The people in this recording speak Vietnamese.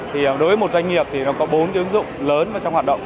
thì đối với một doanh nghiệp thì nó có bốn ứng dụng lớn trong hoạt động